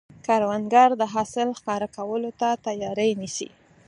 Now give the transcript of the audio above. کروندګر د حاصل ښکاره کولو ته تیاری نیسي